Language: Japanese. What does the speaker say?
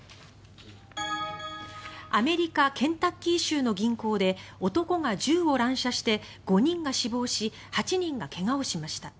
アメリカ・ケンタッキー州の銀行で男が銃を乱射して、５人が死亡し８人が怪我をしました。